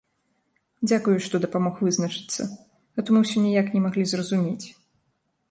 Дзякуй, што дапамог вызначыцца, а то мы ўсё ніяк не маглі зразумець.